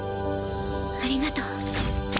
ありがとう